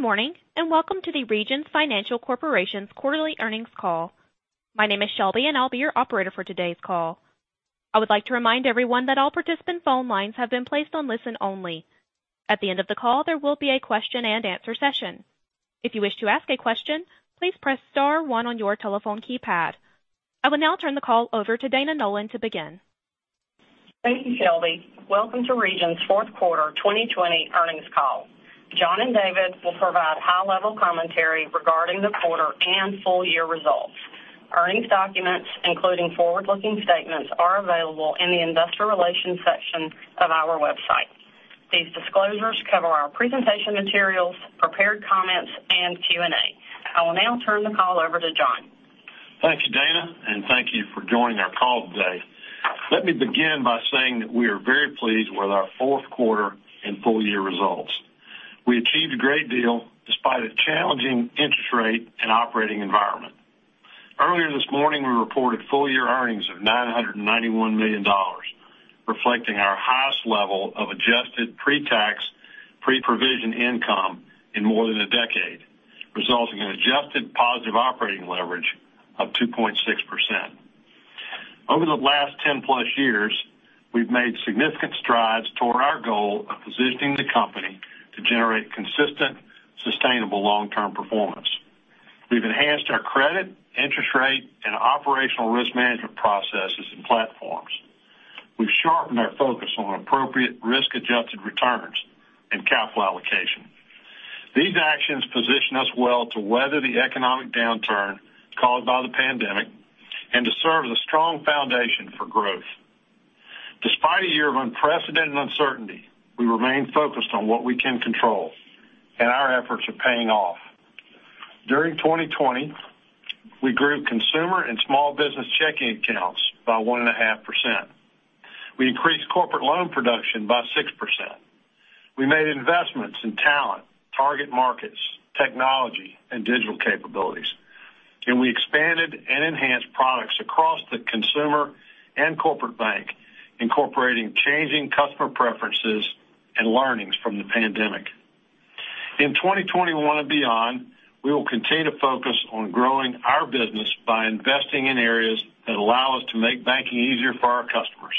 Good morning, and welcome to the Regions Financial Corporation's quarterly earnings call. My name is Shelby, and I'll be your operator for today's call. I would like to remind everyone that all participant phone lines have been placed on listen only. At the end of the call, there will be a question and answer session. If you wish to ask a question, please press star one on your telephone keypad. I will now turn the call over to Dana Nolan to begin. Thank you, Shelby. Welcome to Regions' fourth quarter 2020 earnings call. John and David will provide high-level commentary regarding the quarter and full year results. Earnings documents, including forward-looking statements, are available in the investor relations section of our website. These disclosures cover our presentation materials, prepared comments, and Q&A. I will now turn the call over to John. Thank you, Dana. Thank you for joining our call today. Let me begin by saying that we are very pleased with our fourth quarter and full year results. We achieved a great deal despite a challenging interest rate and operating environment. Earlier this morning, we reported full year earnings of $991 million, reflecting our highest level of adjusted pre-tax, pre-provision income in more than a decade, resulting in adjusted positive operating leverage of 2.6%. Over the last 10+ years, we've made significant strides toward our goal of positioning the company to generate consistent, sustainable long-term performance. We've enhanced our credit, interest rate, and operational risk management processes and platforms. We've sharpened our focus on appropriate risk-adjusted returns and capital allocation. These actions position us well to weather the economic downturn caused by the pandemic and to serve as a strong foundation for growth. Despite a year of unprecedented uncertainty, we remain focused on what we can control, and our efforts are paying off. During 2020, we grew consumer and small business checking accounts by 1.5%. We increased corporate loan production by 6%. We made investments in talent, target markets, technology, and digital capabilities. We expanded and enhanced products across the consumer and corporate bank, incorporating changing customer preferences and learnings from the pandemic. In 2021 and beyond, we will continue to focus on growing our business by investing in areas that allow us to make banking easier for our customers,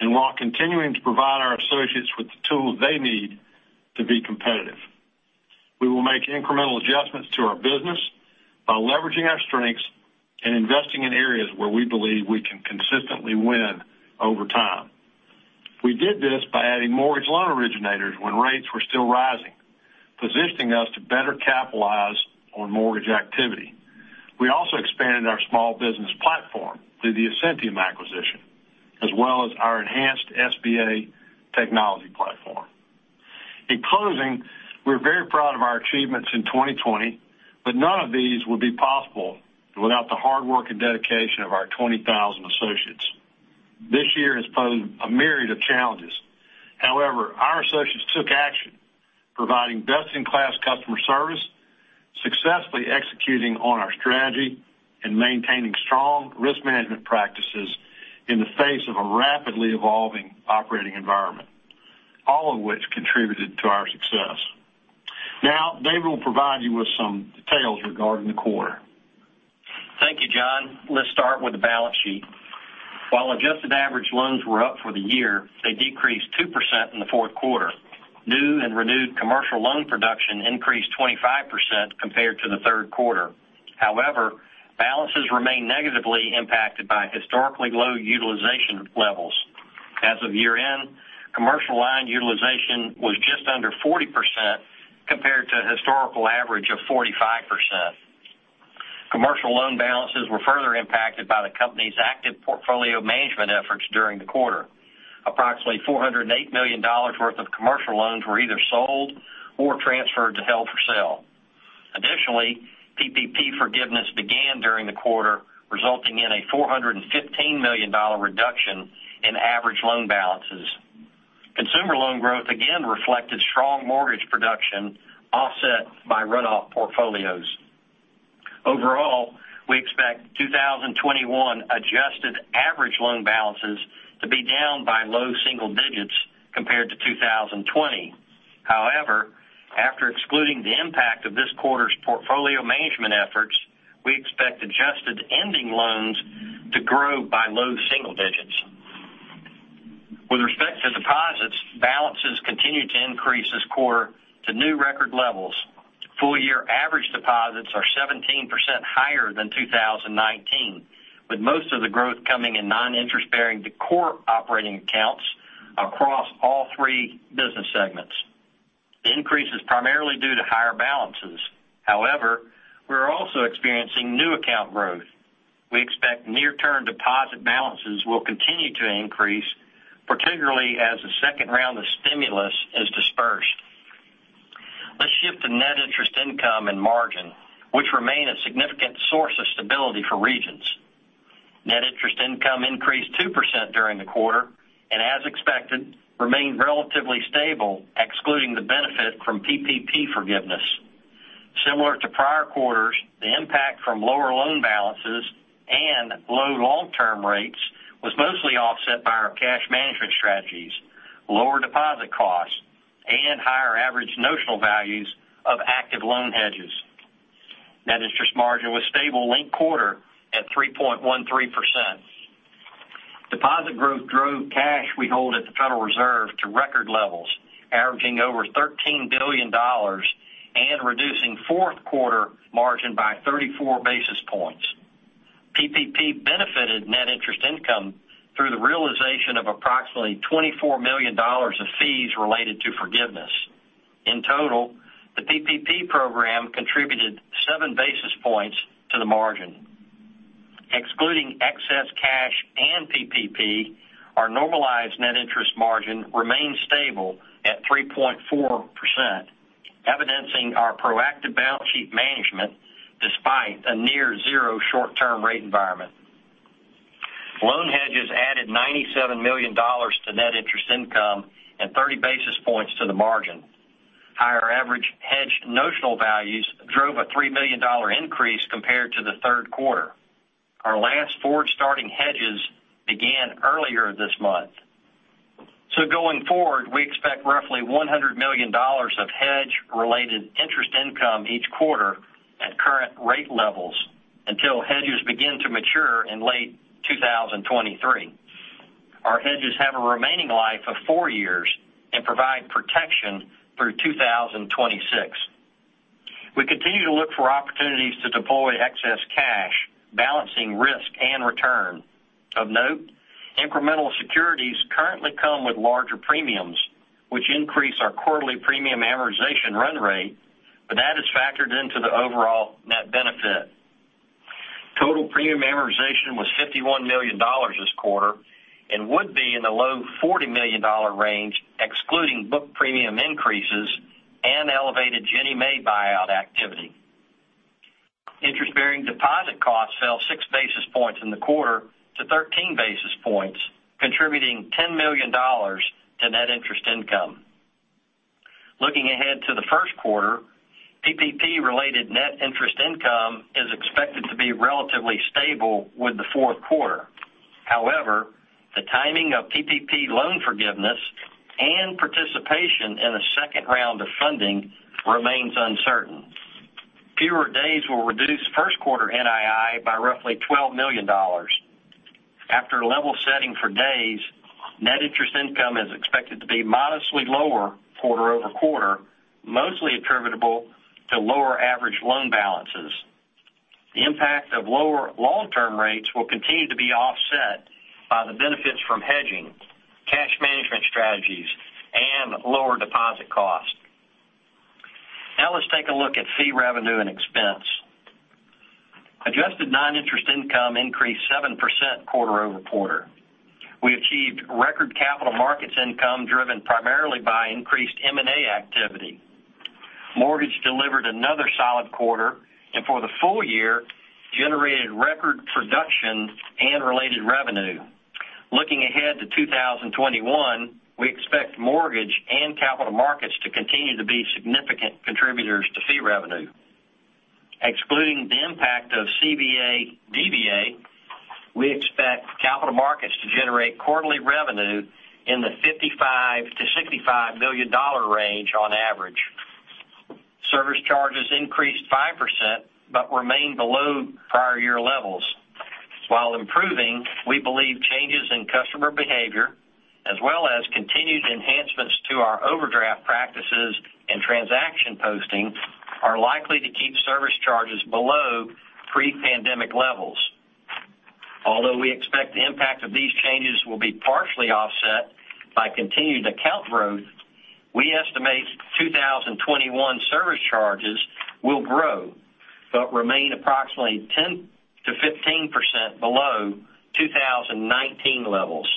and while continuing to provide our associates with the tools they need to be competitive. We will make incremental adjustments to our business by leveraging our strengths and investing in areas where we believe we can consistently win over time. We did this by adding mortgage loan originators when rates were still rising, positioning us to better capitalize on mortgage activity. We also expanded our small business platform through the Ascentium acquisition, as well as our enhanced SBA technology platform. In closing, we're very proud of our achievements in 2020, but none of these would be possible without the hard work and dedication of our 20,000 associates. This year has posed a myriad of challenges. However, our associates took action, providing best-in-class customer service, successfully executing on our strategy, and maintaining strong risk management practices in the face of a rapidly evolving operating environment, all of which contributed to our success. Now, David will provide you with some details regarding the quarter. Thank you, John. Let's start with the balance sheet. While adjusted average loans were up for the year, they decreased 2% in the fourth quarter. New and renewed commercial loan production increased 25% compared to the third quarter. However, balances remain negatively impacted by historically low utilization levels. As of year-end, commercial line utilization was just under 40% compared to a historical average of 45%. Commercial loan balances were further impacted by the company's active portfolio management efforts during the quarter. Approximately $408 million worth of commercial loans were either sold or transferred to held for sale. Additionally, PPP forgiveness began during the quarter, resulting in a $415 million reduction in average loan balances. Consumer loan growth again reflected strong mortgage production offset by runoff portfolios. Overall, we expect 2021 adjusted average loan balances to be down by low single digits compared to 2020. However, after excluding the impact of this quarter's portfolio management efforts, we expect adjusted ending loans to grow by low single digits. With respect to deposits, balances continued to increase this quarter to new record levels. Full year average deposits are 17% higher than 2019, with most of the growth coming in non-interest-bearing core operating accounts across all three business segments. The increase is primarily due to higher balances. However, we are also experiencing new account growth. We expect near-term deposit balances will continue to increase, particularly as the second round of stimulus is dispersed. Let's shift to net interest income and margin, which remain a significant source of stability for Regions. Net interest income increased 2% during the quarter, and as expected, remained relatively stable, excluding the benefit from PPP forgiveness. Similar to prior quarters, the impact from lower loan balances rates was mostly offset by our cash management strategies, lower deposit costs, and higher average notional values of active loan hedges. Net interest margin was stable linked quarter at 3.13%. Deposit growth drove cash we hold at the Federal Reserve to record levels, averaging over $13 billion and reducing fourth quarter margin by 34 basis points. PPP benefited net interest income through the realization of approximately $24 million of fees related to forgiveness. In total, the PPP program contributed seven basis points to the margin. Excluding excess cash and PPP, our normalized net interest margin remains stable at 3.4%, evidencing our proactive balance sheet management despite a near zero short-term rate environment. Loan hedges added $97 million to net interest income and 30 basis points to the margin. Higher average hedged notional values drove a $3 million increase compared to the third quarter. Our last forward starting hedges began earlier this month. Going forward, we expect roughly $100 million of hedge related interest income each quarter at current rate levels until hedges begin to mature in late 2023. Our hedges have a remaining life of four years and provide protection through 2026. We continue to look for opportunities to deploy excess cash, balancing risk and return. Of note, incremental securities currently come with larger premiums, which increase our quarterly premium amortization run rate, but that is factored into the overall net benefit. Total premium amortization was $51 million this quarter and would be in the low $40 million range, excluding book premium increases and elevated Ginnie Mae buyout activity. Interest-bearing deposit costs fell six basis points in the quarter to 13 basis points, contributing $10 million to net interest income. Looking ahead to the first quarter, PPP related net interest income is expected to be relatively stable with the fourth quarter. The timing of PPP loan forgiveness and participation in a second round of funding remains uncertain. Fewer days will reduce first quarter NII by roughly $12 million. After level setting for days, net interest income is expected to be modestly lower quarter-over-quarter, mostly attributable to lower average loan balances. The impact of lower long-term rates will continue to be offset by the benefits from hedging, cash management strategies, and lower deposit costs. Let's take a look at fee revenue and expense. Adjusted non-interest income increased 7% quarter-over-quarter. We achieved record capital markets income driven primarily by increased M&A activity. Mortgage delivered another solid quarter, and for the full year, generated record production and related revenue. Looking ahead to 2021, we expect mortgage and capital markets to continue to be significant contributors to fee revenue. Excluding the impact of CVA/DVA, we expect capital markets to generate quarterly revenue in the $55 billion-$65 billion range on average. Service charges increased 5% but remained below prior year levels. While improving, we believe changes in customer behavior as well as continued enhancements to our overdraft practices and transaction posting are likely to keep service charges below pre-pandemic levels. We expect the impact of these changes will be partially offset by continued account growth. We estimate 2021 service charges will grow but remain approximately 10%-15% below 2019 levels.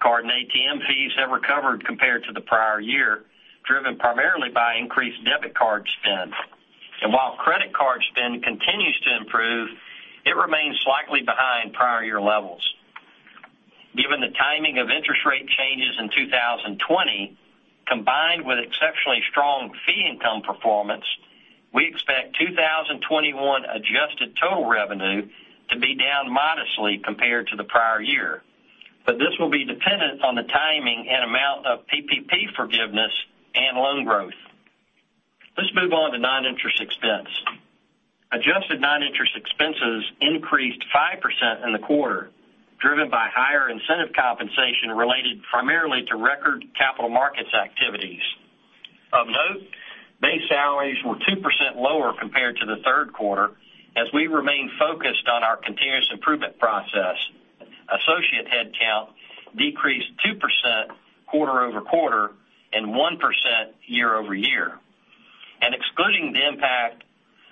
Card and ATM fees have recovered compared to the prior year, driven primarily by increased debit card spend. While credit card spend continues to improve, it remains slightly behind prior year levels. Given the timing of interest rate changes in 2020, combined with exceptionally strong fee income performance, we expect 2021 adjusted total revenue to be down modestly compared to the prior year. This will be dependent on the timing and amount of PPP forgiveness and loan growth. Let's move on to non-interest expense. Adjusted non-interest expenses increased 5% in the quarter, driven by higher incentive compensation related primarily to record capital markets activities. Of note, base salaries were 2% lower compared to the third quarter, as we remain focused on our continuous improvement process. Associate headcount decreased 2% quarter-over-quarter and 1% year-over-year. Excluding the impact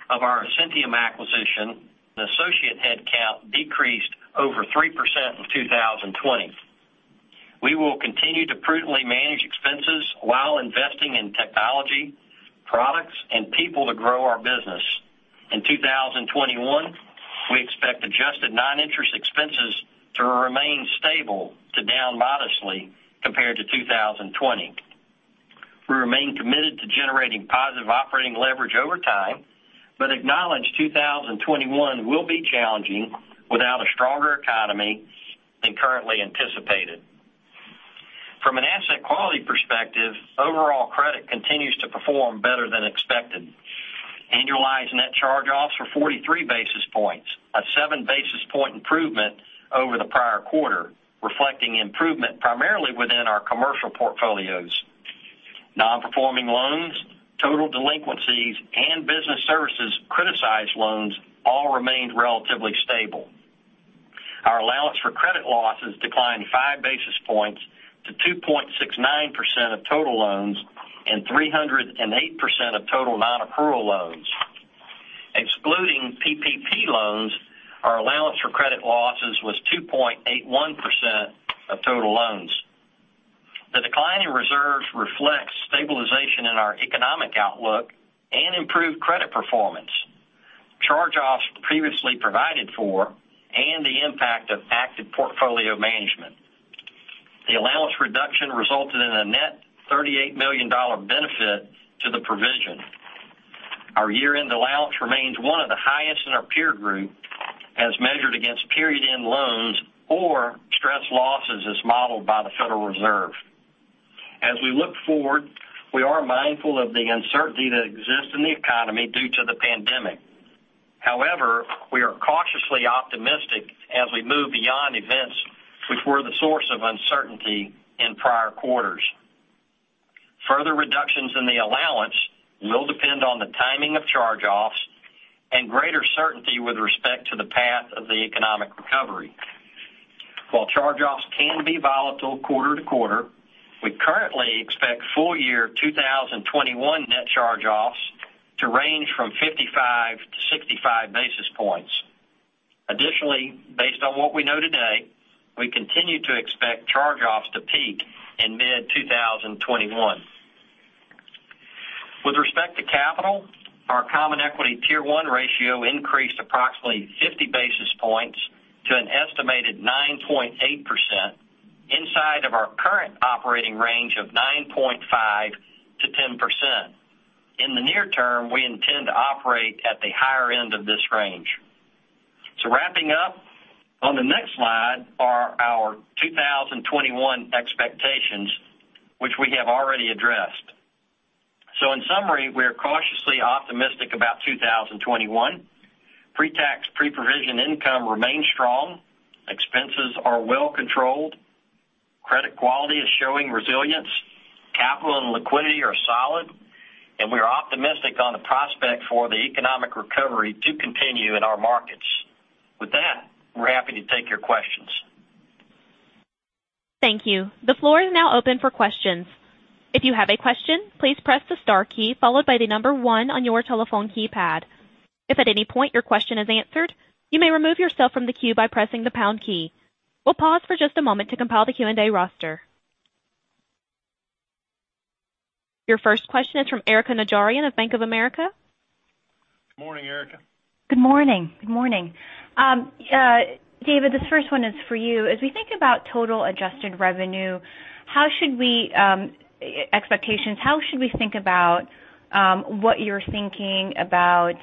of our Ascentium acquisition, the associate headcount decreased over 3% in 2020. We will continue to prudently manage expenses while investing in technology, products, and people to grow our business. In 2021, we expect adjusted non-interest expenses to remain stable to down modestly compared to 2020. We remain committed to generating positive operating leverage over time, but acknowledge 2021 will be challenging without a stronger economy than currently anticipated. From an asset quality perspective, overall credit continues to perform better than expected. Annualized net charge-offs were 43 basis points, a seven basis point improvement over the prior quarter, reflecting improvement primarily within our commercial portfolios. Non-performing loans, total delinquencies, and business services criticized loans all remained relatively stable. Our allowance for credit losses declined five basis points to 2.69% of total loans and 308% of total non-accrual loans. Excluding PPP loans, our allowance for credit losses was 2.81% of total loans. The decline in reserves reflects stabilization in our economic outlook and improved credit performance, charge-offs previously provided for, and the impact of active portfolio management. The allowance reduction resulted in a net $38 million benefit to the provision. Our year-end allowance remains one of the highest in our peer group as measured against period end loans or stress losses as modeled by the Federal Reserve. As we look forward, we are mindful of the uncertainty that exists in the economy due to the pandemic. We are cautiously optimistic as we move beyond events which were the source of uncertainty in prior quarters. Further reductions in the allowance will depend on the timing of charge-offs and greater certainty with respect to the path of the economic recovery. While charge-offs can be volatile quarter to quarter, we currently expect full year 2021 net charge-offs to range from 55-65 basis points. Additionally, based on what we know today, we continue to expect charge-offs to peak in mid-2021. With respect to capital, our Common Equity Tier 1 ratio increased approximately 50 basis points to an estimated 9.8% inside of our current operating range of 9.5%-10%. In the near term, we intend to operate at the higher end of this range. Wrapping up on the next slide are our 2021 expectations, which we have already addressed. In summary, we are cautiously optimistic about 2021. Pre-tax, pre-provision income remains strong. Expenses are well controlled. Credit quality is showing resilience. Capital and liquidity are solid, and we are optimistic on the prospect for the economic recovery to continue in our markets. With that, we're happy to take your questions. Thank you. The floor is now open for questions. If you have a question, please press the star key followed by the number one on your telephone keypad. If at any point your question is answered, you may remove yourself from the queue by pressing the pound key. We'll pause for just a moment to compile the Q&A roster. Your first question is from Erika Najarian of Bank of America. Morning, Erika. Good morning. David, this first one is for you. As we think about total adjusted revenue expectations, how should we think about what you're thinking about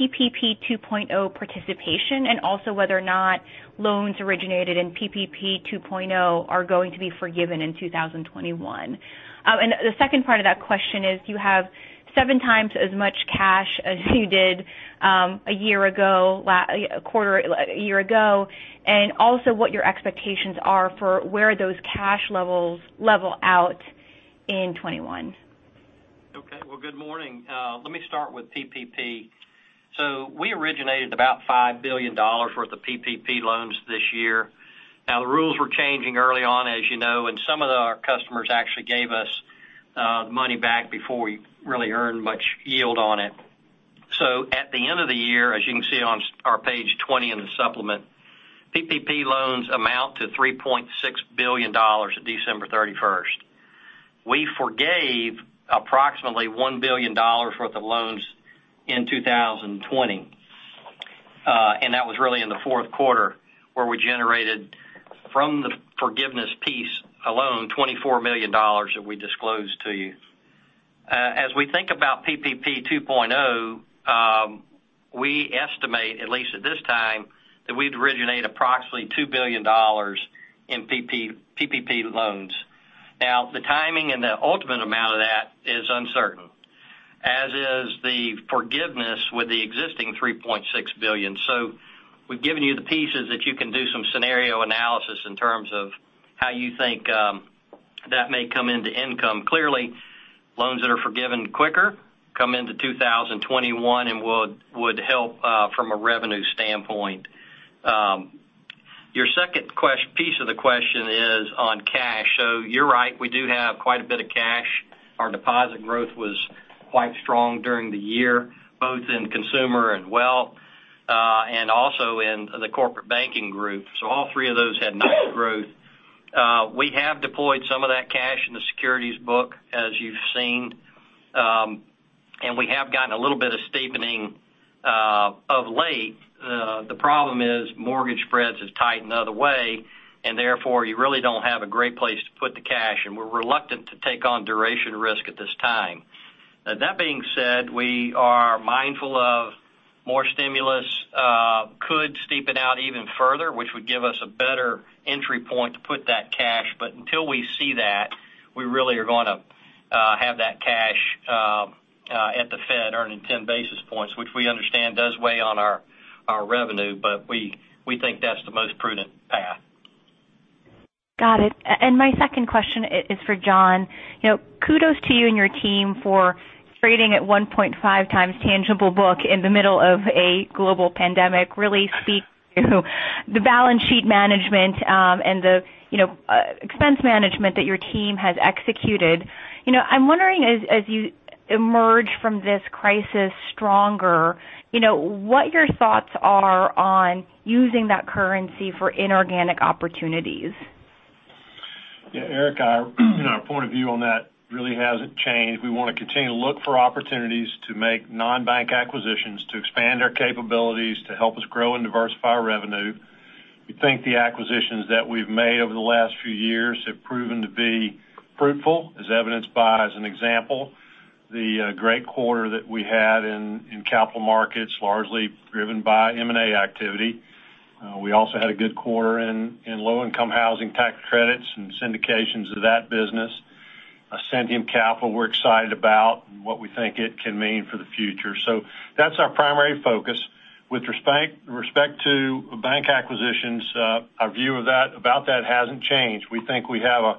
PPP 2.0 participation, and also whether or not loans originated in PPP 2.0 are going to be forgiven in 2021? The second part of that question is you have seven times as much cash as you did a year ago, and also what your expectations are for where those cash levels level out in 2021. Okay. Well, good morning. Let me start with PPP. We originated about $5 billion worth of PPP loans this year. The rules were changing early on, as you know, and some of our customers actually gave us money back before we really earned much yield on it. At the end of the year, as you can see on our page 20 in the supplement, PPP loans amount to $3.6 billion at December 31st. We forgave approximately $1 billion worth of loans in 2020. That was really in the fourth quarter, where we generated, from the forgiveness piece alone, $24 million that we disclosed to you. As we think about PPP 2.0, we estimate, at least at this time, that we'd originate approximately $2 billion in PPP loans. The timing and the ultimate amount of that is uncertain, as is the forgiveness with the existing $3.6 billion. We've given you the pieces that you can do some scenario analysis in terms of how you think that may come into income. Clearly, loans that are forgiven quicker come into 2021 and would help from a revenue standpoint. Your second piece of the question is on cash. You're right, we do have quite a bit of cash. Our deposit growth was quite strong during the year, both in consumer and wealth, and also in the corporate banking group. All three of those had nice growth. We have deployed some of that cash in the securities book, as you've seen. We have gotten a little bit of steepening of late mortgage spreads has tightened the other way. Therefore, you really don't have a great place to put the cash. We're reluctant to take on duration risk at this time. That being said, we are mindful of more stimulus could steepen out even further, which would give us a better entry point to put that cash. Until we see that, we really are going to have that cash at the Fed earning 10 basis points, which we understand does weigh on our revenue. We think that's the most prudent path. Got it. My second question is for John. Kudos to you and your team for trading at 1.5x tangible book in the middle of a global pandemic, really speaks to the balance sheet management, and the expense management that your team has executed. I'm wondering as you emerge from this crisis stronger, what your thoughts are on using that currency for inorganic opportunities. Yeah, Erika, our point of view on that really hasn't changed. We want to continue to look for opportunities to make non-bank acquisitions to expand our capabilities to help us grow and diversify our revenue. We think the acquisitions that we've made over the last few years have proven to be fruitful, as evidenced by, as an example, the great quarter that we had in capital markets, largely driven by M&A activity. We also had a good quarter in low-income housing tax credits and syndications of that business. Ascentium Capital, we're excited about and what we think it can mean for the future. That's our primary focus. With respect to bank acquisitions, our view about that hasn't changed. We think we have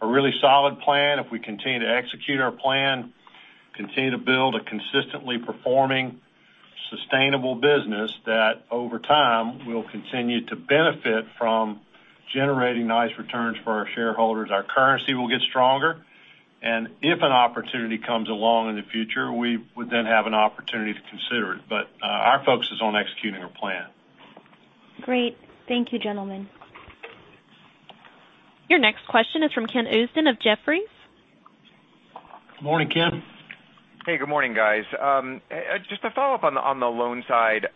a really solid plan. If we continue to execute our plan, continue to build a consistently performing, sustainable business, that over time will continue to benefit from generating nice returns for our shareholders. Our currency will get stronger. If an opportunity comes along in the future, we would then have an opportunity to consider it. Our focus is on executing our plan. Great. Thank you, gentlemen. Your next question is from Ken Usdin of Jefferies. Morning, Ken. Hey, good morning, guys. Just to follow up on the loans side.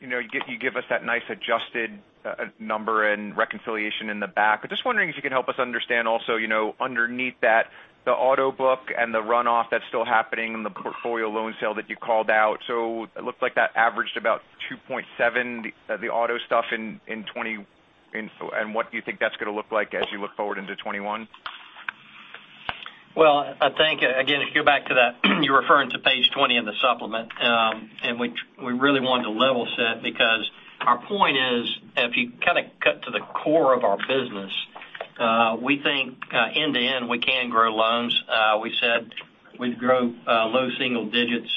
You give us that nice adjusted number and reconciliation in the back. I'm just wondering if you can help us understand also, underneath that, the auto book and the runoff that's still happening and the portfolio loan sale that you called out. It looks like that averaged about 2.7, the auto stuff in 2020, and what do you think that's going to look like as you look forward into 2021? Well, I think, again, if you go back to that you're referring to page 20 in the supplement. We really wanted to level set because our point is, if you cut to the core of our business, we think end to end, we can grow loans. We said we'd grow low single digits.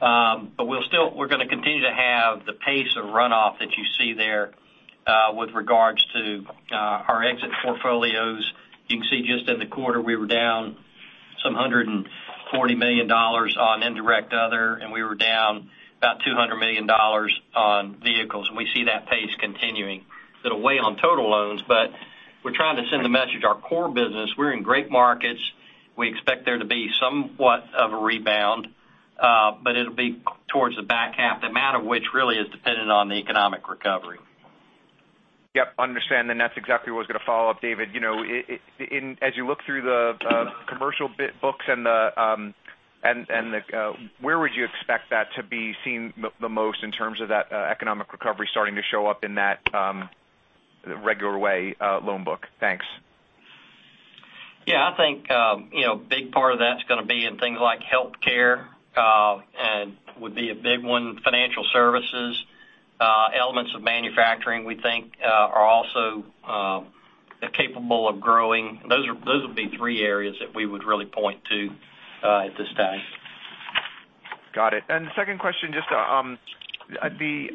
We're going to continue to have the pace of runoff that you see there with regards to our exit portfolios. You can see just in the quarter, we were down some $140 million on indirect other, and we were down about $200 million on vehicles, and we see that pace continuing. It'll weigh on total loans, but we're trying to send the message to our core business, we're in great markets. We expect there to be somewhat of a rebound, but it'll be towards the back half, the amount of which really is dependent on the economic recovery. Yep, understand. That's exactly what I was going to follow up, David. As you look through the commercial loan books, where would you expect that to be seen the most in terms of that economic recovery starting to show up in that regular way loan book? Thanks. Yeah, I think a big part of that's going to be in things like healthcare, and would be a big one, financial services. Elements of manufacturing, we think, are also capable of growing. Those would be three areas that we would really point to at this time. Got it. The second question, just on the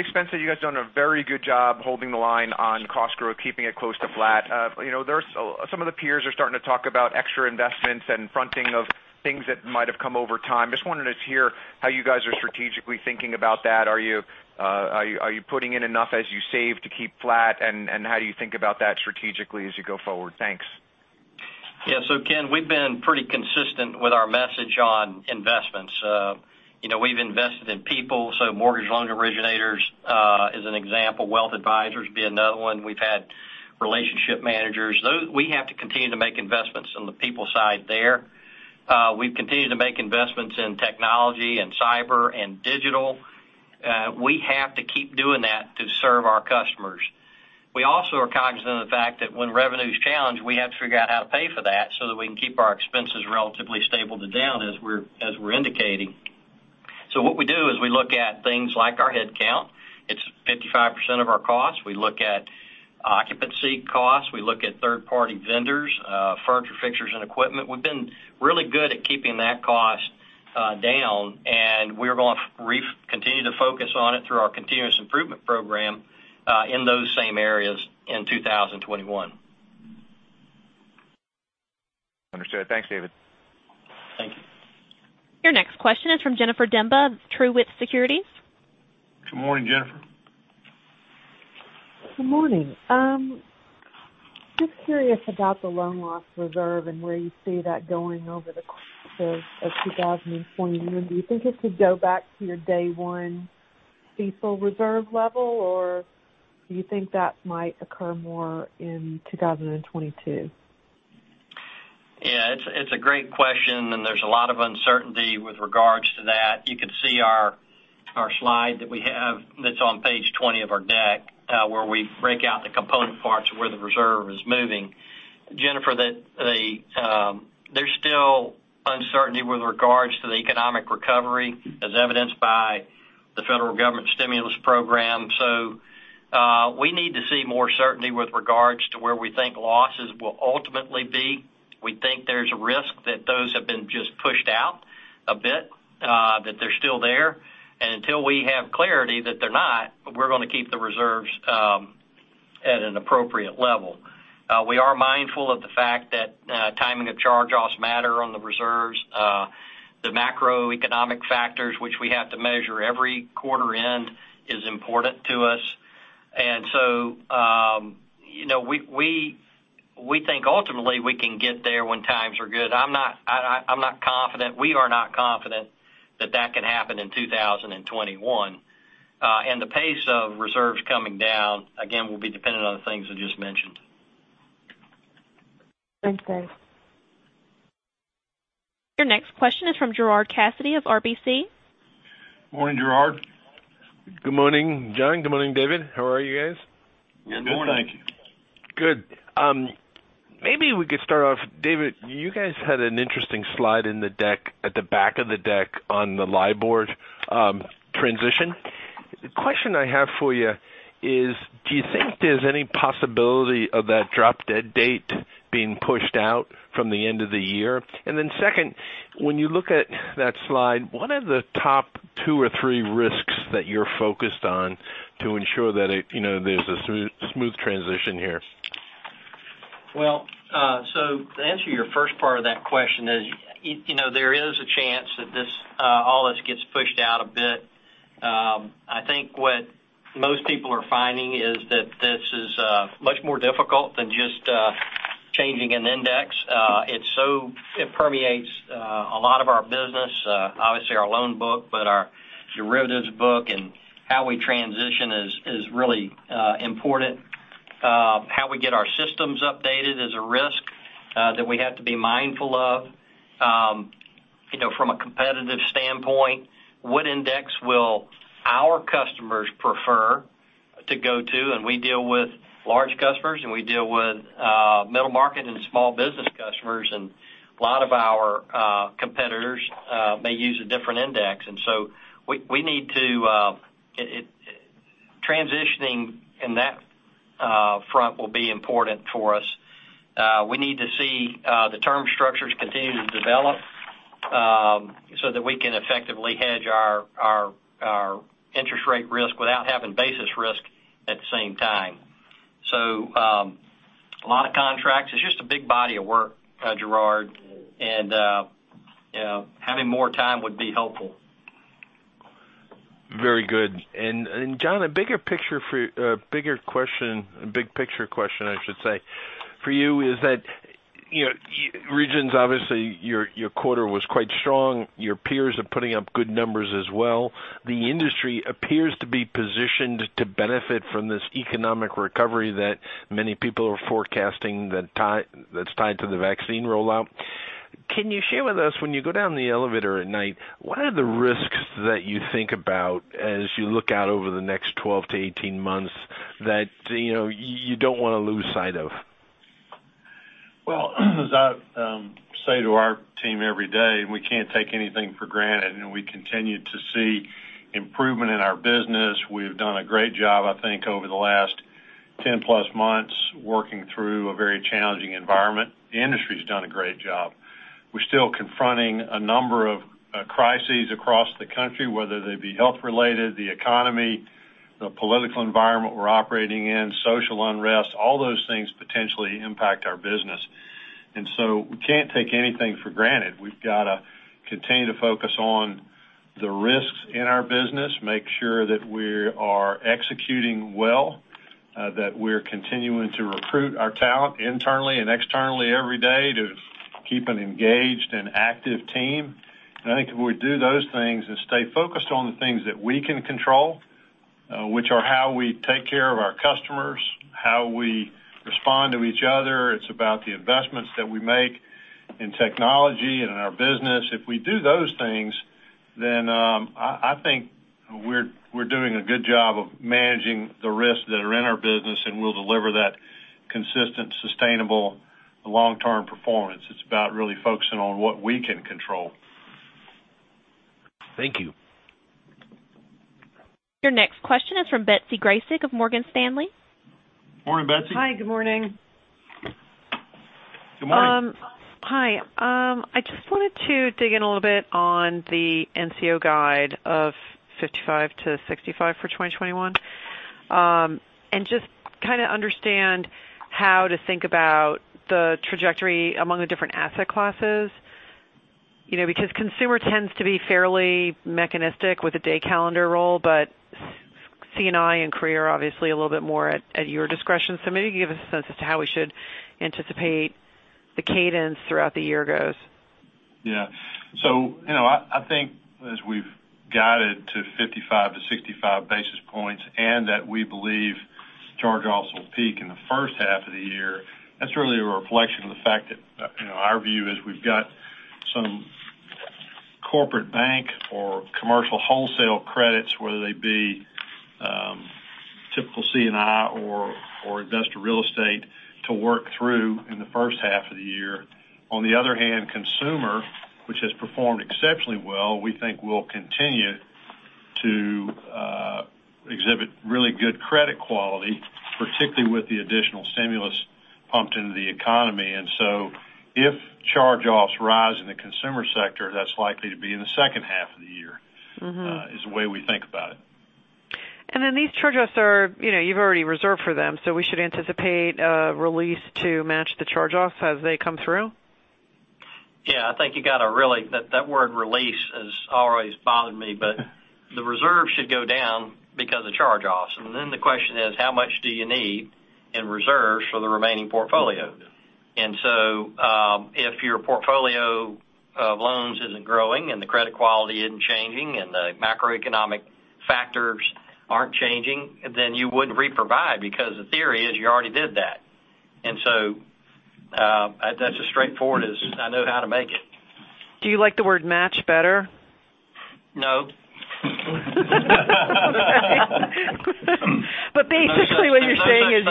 expense that you guys done a very good job holding the line on cost growth, keeping it close to flat. Some of the peers are starting to talk about extra investments and fronting of things that might have come over time. Just wanted to hear how you guys are strategically thinking about that. Are you putting in enough as you save to keep flat? How do you think about that strategically as you go forward? Thanks. Yeah. Ken, we've been pretty consistent with our message on investments. We've invested in people, so mortgage loan originators, as an example, wealth advisors would be another one. We've had relationship managers. We have to continue to make investments on the people side there. We've continued to make investments in technology and cyber and digital. We have to keep doing that to serve our customers. We also are cognizant of the fact that when revenue is challenged, we have to figure out how to pay for that so that we can keep our expenses relatively stable to down as we're indicating. What we do is we look at things like our headcount. It's 55% of our cost. We look at occupancy costs. We look at third-party vendors, furniture, fixtures, and equipment. We've been really good at keeping that cost down, and we're going to continue to focus on it through our continuous improvement program, in those same areas in 2021. Understood. Thanks, David. Thank you. Your next question is from Jennifer Demba of Truist Securities. Good morning, Jennifer. Good morning. Just curious about the loan loss reserve and where you see that going over the course of 2021. Do you think it could go back to your day one CECL reserve level, or do you think that might occur more in 2022? Yeah, it's a great question, and there's a lot of uncertainty with regards to that. You can see our slide that we have that's on page 20 of our deck, where we break out the component parts of where the reserve is moving. Jennifer, there's still uncertainty with regards to the economic recovery, as evidenced by the federal government stimulus program. We need to see more certainty with regards to where we think losses will ultimately be. We think there's a risk that those have been just pushed out a bit, that they're still there. Until we have clarity that they're not, we're going to keep the reserves at an appropriate level. We are mindful of the fact that timing of charge-offs matter on the reserves. The macroeconomic factors which we have to measure every quarter end is important to us. We think ultimately we can get there when times are good. I'm not confident, we are not confident that that can happen in 2021. The pace of reserves coming down, again, will be dependent on the things I just mentioned. Thanks, David. Your next question is from Gerard Cassidy of RBC. Morning, Gerard. Good morning, John. Good morning, David. How are you guys? Good morning. Good. Thank you. Good. Maybe we could start off, David, you guys had an interesting slide in the deck, at the back of the deck on the LIBOR transition. The question I have for you is, do you think there's any possibility of that drop-dead date being pushed out from the end of the year? Second, when you look at that slide, what are the top two or three risks that you're focused on to ensure that there's a smooth transition here? To answer your first part of that question is, there is a chance that all this gets pushed out a bit. I think what most people are finding is that this is much more difficult than just changing an index. It permeates a lot of our business, obviously our loan book, but our derivatives book and how we transition is really important. How we get our systems updated is a risk that we have to be mindful of. From a competitive standpoint, what index will our customers prefer to go to? We deal with large customers, and we deal with middle market and small business customers, and a lot of our competitors may use a different index. Transitioning in that front will be important for us. We need to see the term structures continue to develop so that we can effectively hedge our interest rate risk without having basis risk at the same time. A lot of contracts. It's just a big body of work, Gerard, and having more time would be helpful. Very good. John, a big picture question for you is that, Regions, obviously, your quarter was quite strong. Your peers are putting up good numbers as well. The industry appears to be positioned to benefit from this economic recovery that many people are forecasting that's tied to the vaccine rollout. Can you share with us, when you go down the elevator at night, what are the risks that you think about as you look out over the next 12-18 months that you don't want to lose sight of? Well, as I say to our team every day, we can't take anything for granted. We continue to see improvement in our business. We've done a great job, I think, over the last 10+ months, working through a very challenging environment. The industry's done a great job. We're still confronting a number of crises across the country, whether they be health related, the economy, the political environment we're operating in, social unrest, all those things potentially impact our business. We can't take anything for granted. We've got to continue to focus on the risks in our business, make sure that we are executing well, that we're continuing to recruit our talent internally and externally every day to keep an engaged and active team. I think if we do those things and stay focused on the things that we can control, which are how we take care of our customers, how we respond to each other. It's about the investments that we make in technology and in our business. If we do those things, then I think we're doing a good job of managing the risks that are in our business, and we'll deliver that consistent, sustainable, long-term performance. It's about really focusing on what we can control. Thank you. Your next question is from Betsy Graseck of Morgan Stanley. Morning, Betsy. Hi, good morning. Good morning. Hi. I just wanted to dig in a little bit on the NCO guide of 55-65 for 2021. Just kind of understand how to think about the trajectory among the different asset classes. Consumer tends to be fairly mechanistic with a day calendar role, but C&I and CRE are obviously a little bit more at your discretion. Maybe give us a sense as to how we should anticipate the cadence throughout the year goes. Yeah. I think as we've guided to 55-65 basis points, and that we believe charge-offs will peak in the first half of the year, that's really a reflection of the fact that our view is we've got some corporate bank or commercial wholesale credits, whether they be typical C&I or investor real estate, to work through in the first half of the year. On the other hand, consumer, which has performed exceptionally well, we think will continue to exhibit really good credit quality, particularly with the additional stimulus pumped into the economy. If charge-offs rise in the consumer sector, that's likely to be in the second half of the year. is the way we think about it. These charge-offs, you've already reserved for them, so we should anticipate a release to match the charge-offs as they come through? That word release has always bothered me. The reserve should go down because of charge-offs. The question is, how much do you need in reserves for the remaining portfolio? If your portfolio of loans isn't growing and the credit quality isn't changing and the macroeconomic factors aren't changing, then you wouldn't re-provide because the theory is you already did that. That's as straightforward as I know how to make it. Do you like the word match better? No. Basically what you're saying is.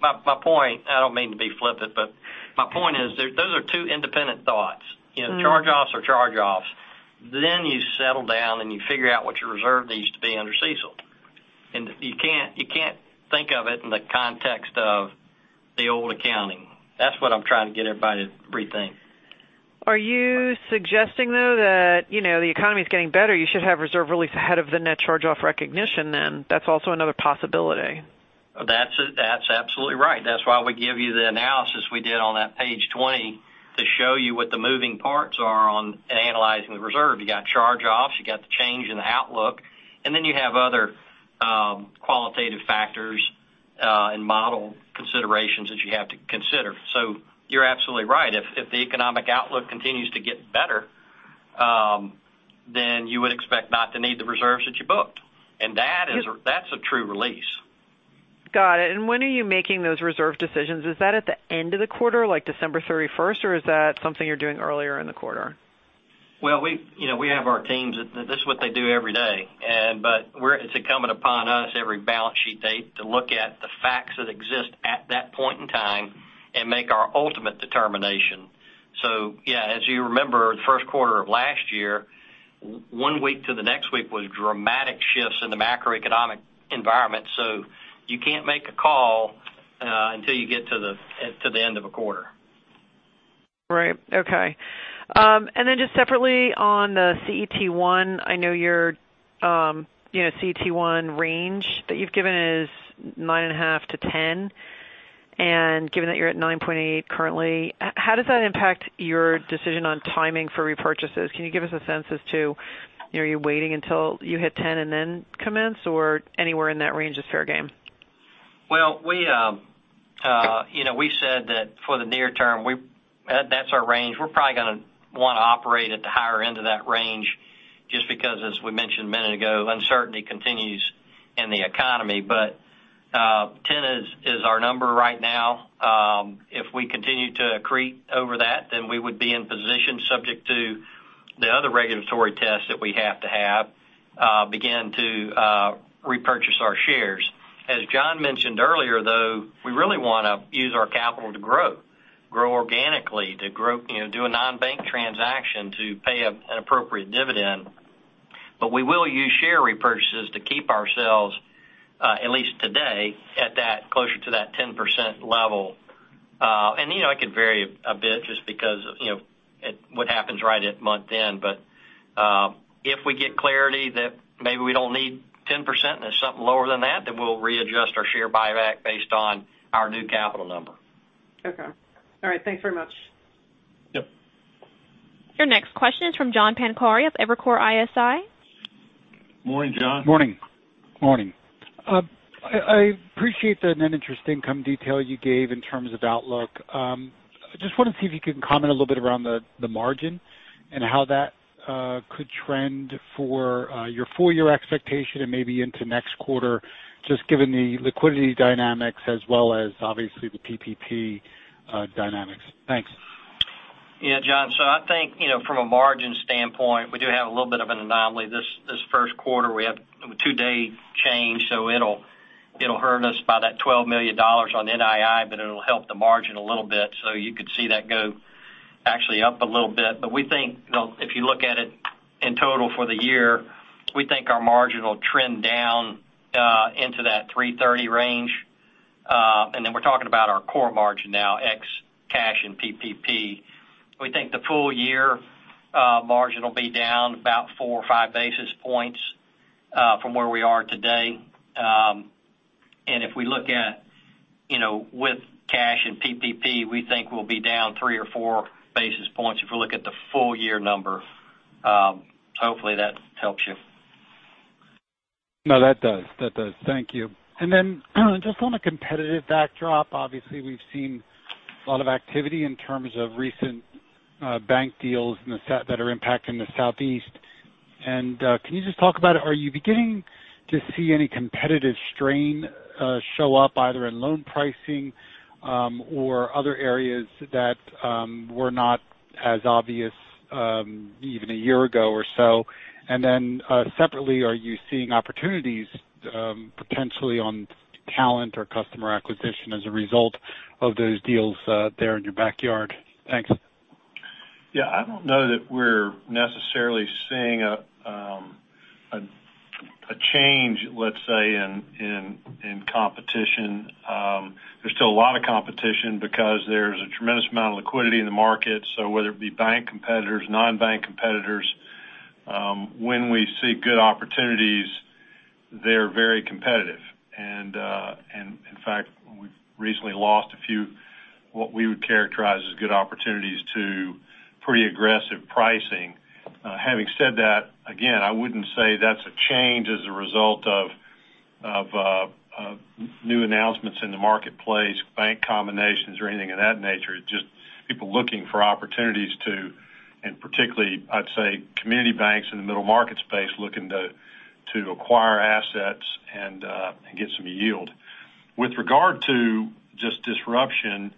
My point, I don't mean to be flippant, but my point is, those are two independent thoughts. Charge-offs are charge-offs. You settle down, and you figure out what your reserve needs to be under CECL. You can't think of it in the context of the old accounting. That's what I'm trying to get everybody to rethink. Are you suggesting, though, that the economy's getting better, you should have reserve release ahead of the net charge-off recognition, then? That's also another possibility. That's absolutely right. That's why we give you the analysis we did on that page 20 to show you what the moving parts are on analyzing the reserve. You got charge-offs, you got the change in the outlook, and then you have other qualitative factors and model considerations that you have to consider. You're absolutely right. If the economic outlook continues to get better, then you would expect not to need the reserves that you booked. That's a true release. Got it. When are you making those reserve decisions? Is that at the end of the quarter, like December 31st, or is that something you're doing earlier in the quarter? Well, we have our teams, this is what they do every day. It's incumbent upon us every balance sheet date to look at the facts that exist at that point in time and make our ultimate determination. Yeah, as you remember, the first quarter of last year, one week to the next week was dramatic shifts in the macroeconomic environment. You can't make a call until you get to the end of a quarter. Right. Okay. Just separately on the CET1, I know your CET1 range that you've given is 9.5%-10%. Given that you're at 9.8% currently, how does that impact your decision on timing for repurchases? Can you give us a sense as to are you waiting until you hit 10% and then commence, or anywhere in that range is fair game? We said that for the near term, that's our range. We're probably going to want to operate at the higher end of that range just because, as we mentioned a minute ago, uncertainty continues in the economy. 10 is our number right now. If we continue to accrete over that, then we would be in position subject to the other regulatory tests that we have to have, begin to repurchase our shares. As John mentioned earlier, though, we really want to use our capital to grow. Grow organically, do a non-bank transaction to pay an appropriate dividend. We will use share repurchases to keep ourselves, at least today, closer to that 10% level. It could vary a bit just because what happens right at month end. If we get clarity that maybe we don't need 10% and it's something lower than that, then we'll readjust our share buyback based on our new capital number. Okay. All right. Thanks very much. Yep. Your next question is from John Pancari of Evercore ISI. Morning, John. Morning. I appreciate the net interest income detail you gave in terms of outlook. I just want to see if you can comment a little bit around the margin and how that could trend for your full year expectation and maybe into next quarter, just given the liquidity dynamics as well as obviously the PPP dynamics. Thanks. John. I think from a margin standpoint, we do have a little bit of an anomaly. This first quarter, we have two-day change, so it'll hurt us by that $12 million on NII, but it'll help the margin a little bit. You could see that go actually up a little bit. If you look at it in total for the year, we think our margin will trend down into that 330 range. We're talking about our core margin now, X cash and PPP. We think the full year margin will be down about four or five basis points from where we are today. With cash and PPP, we think we'll be down three or four basis points if we look at the full year number. Hopefully, that helps you. No, that does. Thank you. Just on a competitive backdrop, obviously we've seen a lot of activity in terms of recent bank deals that are impacting the Southeast. Can you just talk about, are you beginning to see any competitive strain show up either in loan pricing or other areas that were not as obvious even a year ago or so? Separately, are you seeing opportunities potentially on talent or customer acquisition as a result of those deals there in your backyard? Thanks. Yeah. I don't know that we're necessarily seeing a change, let's say, in competition. There's still a lot of competition because there's a tremendous amount of liquidity in the market. Whether it be bank competitors, non-bank competitors, when we see good opportunities, they're very competitive. In fact, we've recently lost a few, what we would characterize as good opportunities to pretty aggressive pricing. Having said that, again, I wouldn't say that's a change as a result of new announcements in the marketplace, bank combinations, or anything of that nature. It's just people looking for opportunities to, and particularly, I'd say, community banks in the middle market space looking to acquire assets and get some yield. With regard to just disruption,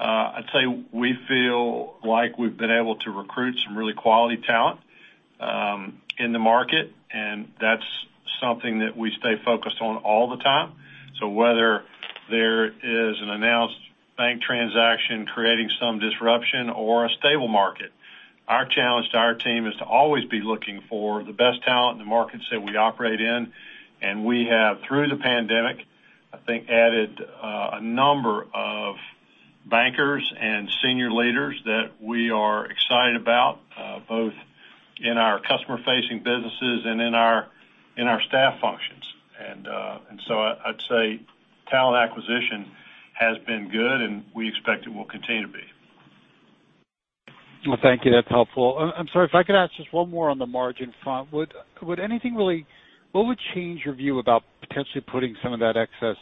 I'd say we feel like we've been able to recruit some really quality talent in the market, and that's something that we stay focused on all the time. Whether there is an announced bank transaction creating some disruption or a stable market, our challenge to our team is to always be looking for the best talent in the markets that we operate in. We have, through the pandemic, I think, added a number of bankers and senior leaders that we are excited about, both in our customer-facing businesses and in our staff functions. I'd say talent acquisition has been good, and we expect it will continue to be. Well, thank you. That's helpful. I'm sorry if I could ask just one more on the margin front. What would change your view about potentially putting some of that excess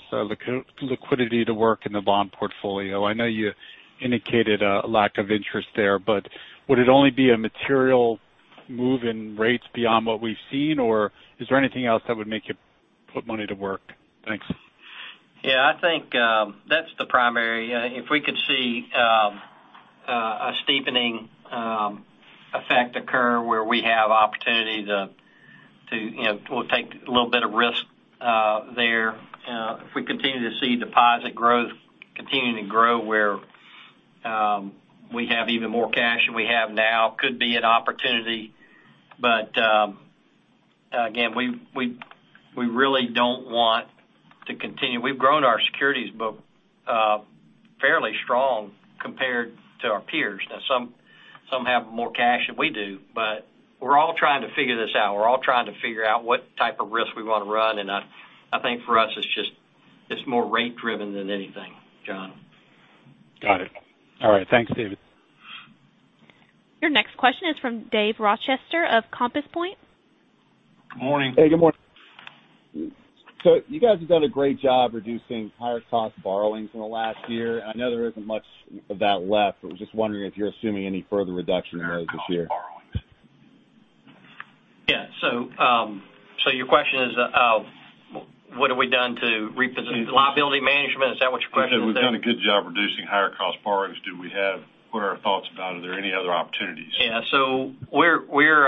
liquidity to work in the bond portfolio? I know you indicated a lack of interest there, but would it only be a material move in rates beyond what we've seen, or is there anything else that would make you put money to work? Thanks. Yeah, I think that's the primary. If we could see a steepening effect occur where we have opportunity to we'll take a little bit of risk there. If we continue to see deposit growth continuing to grow where we have even more cash than we have now, could be an opportunity. Again, we really don't want to continue. We've grown our securities book fairly strong compared to our peers. Now some have more cash than we do, we're all trying to figure this out. We're all trying to figure out what type of risk we want to run, I think for us, it's more rate driven than anything, John. Got it. All right. Thanks, David. Your next question is from Dave Rochester of Compass Point. Morning. Hey, good morning. You guys have done a great job reducing higher cost borrowings in the last year, and I know there isn't much of that left. I was just wondering if you're assuming any further reduction in those this year. Yeah. Your question is, what have we done to reposition the liability management? Is that what your question is? You said we've done a good job reducing higher cost borrowings. What are our thoughts about, are there any other opportunities? Yeah. We're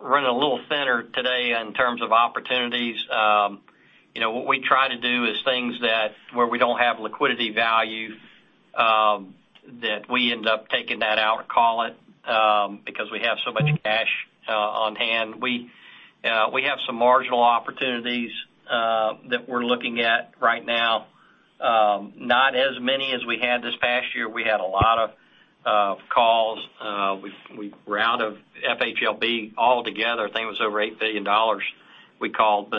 running a little thinner today in terms of opportunities. What we try to do is things that where we don't have liquidity value, that we end up taking that out or call it, because we have so much cash on hand. We have some marginal opportunities that we're looking at right now. Not as many as we had this past year. We had a lot of calls. We were out of FHLB altogether. I think it was over $8 billion we called.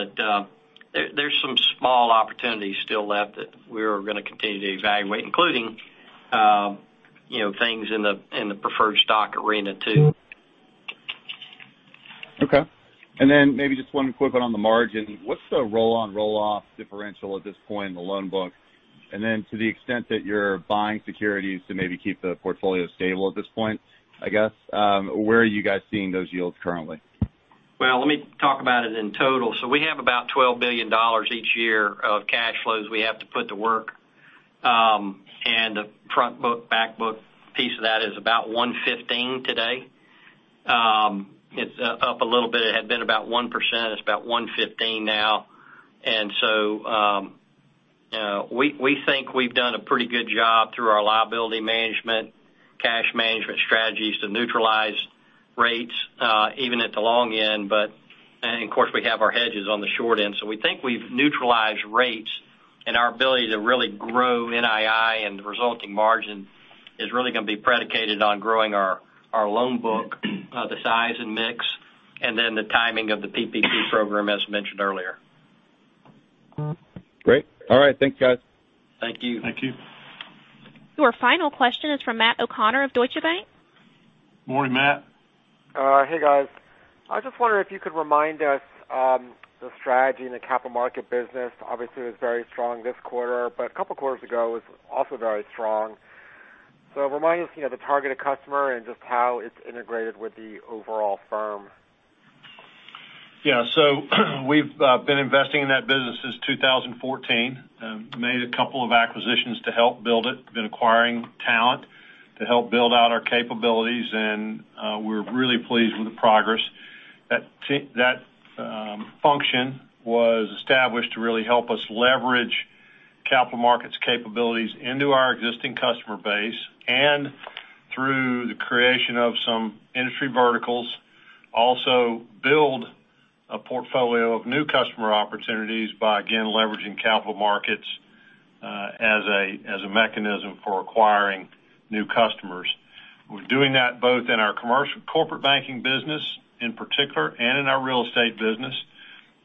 There's some small opportunities still left that we are going to continue to evaluate, including things in the preferred stock arena too. Okay. Maybe just one quick one on the margin. What's the roll-on, roll-off differential at this point in the loan book? To the extent that you're buying securities to maybe keep the portfolio stable at this point, I guess, where are you guys seeing those yields currently? Well, let me talk about it in total. We have about $12 billion each year of cash flows we have to put to work. The front book, back book piece of that is about 115 today. It's up a little bit. It had been about 1%, it's about 115 now. We think we've done a pretty good job through our liability management, cash management strategies to neutralize rates, even at the long end. Of course, we have our hedges on the short end. We think we've neutralized rates, and our ability to really grow NII and the resulting margin is really going to be predicated on growing our loan book, the size and mix. The timing of the PPP program, as mentioned earlier. Great. All right, thanks, guys. Thank you. Thank you. Your final question is from Matt O'Connor of Deutsche Bank. Morning, Matt. Hey, guys. I just wonder if you could remind us the strategy in the capital market business. Obviously, it was very strong this quarter, but a couple quarters ago, it was also very strong. Remind us the targeted customer and just how it's integrated with the overall firm. Yeah. We've been investing in that business since 2014, made a couple of acquisitions to help build it. We've been acquiring talent to help build out our capabilities, and we're really pleased with the progress. That function was established to really help us leverage capital markets capabilities into our existing customer base, and through the creation of some industry verticals, also build a portfolio of new customer opportunities by, again, leveraging capital markets as a mechanism for acquiring new customers. We're doing that both in our corporate banking business in particular, and in our real estate business.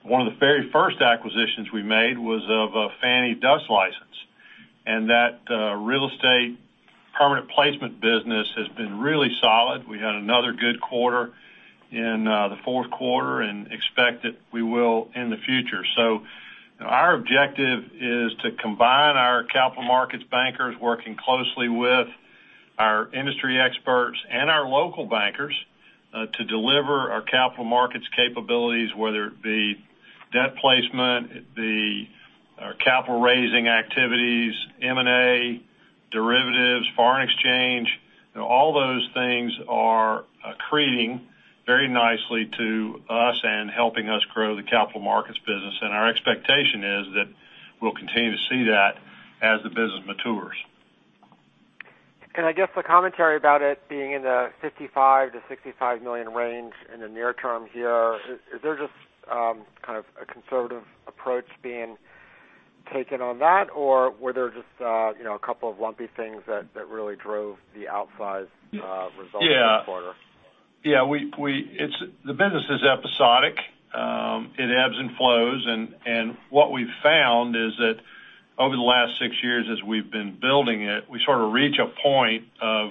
One of the very first acquisitions we made was of a Fannie/DUS license, and that real estate permanent placement business has been really solid. We had another good quarter in the fourth quarter and expect that we will in the future. Our objective is to combine our Capital Markets bankers working closely with our industry experts and our local bankers, to deliver our Capital Markets capabilities, whether it be debt placement, it be our capital raising activities, M&A, derivatives, foreign exchange. All those things are accreting very nicely to us and helping us grow the Capital Markets business. Our expectation is that we'll continue to see that as the business matures. I guess the commentary about it being in the $55 million-$65 million range in the near term here, is there just a conservative approach being taken on that, or were there just a couple of lumpy things that really drove the outsized results this quarter? Yeah. The business is episodic. It ebbs and flows. What we've found is that over the last six years as we've been building it, we sort of reach a point of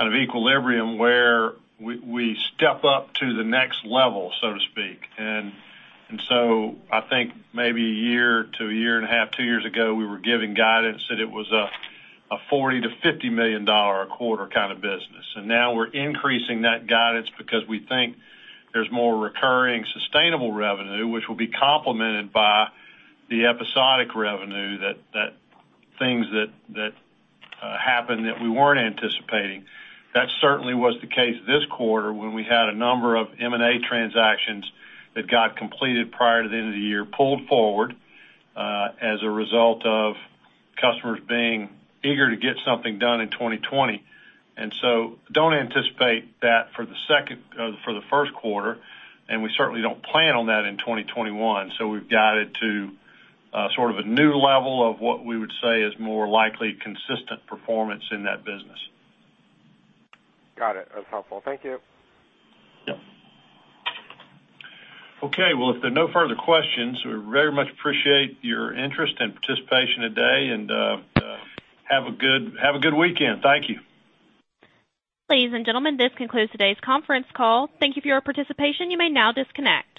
equilibrium where we step up to the next level, so to speak. I think maybe a year to a year and a half, two years ago, we were giving guidance that it was a $40 million-$50 million a quarter kind of business. Now we're increasing that guidance because we think there's more recurring sustainable revenue, which will be complemented by the episodic revenue, things that happened that we weren't anticipating. That certainly was the case this quarter when we had a number of M&A transactions that got completed prior to the end of the year pulled forward as a result of customers being eager to get something done in 2020. Don't anticipate that for the first quarter, and we certainly don't plan on that in 2021. We've guided to sort of a new level of what we would say is more likely consistent performance in that business. Got it. That's helpful. Thank you. Yep. Okay, well, if there are no further questions, we very much appreciate your interest and participation today, and have a good weekend. Thank you. Ladies and gentlemen, this concludes today's conference call. Thank you for your participation. You may now disconnect.